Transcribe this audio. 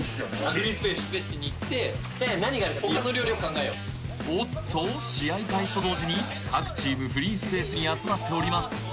フリースペースに行って他の料理を考えようおっと試合開始と同時に各チームフリースペースに集まっております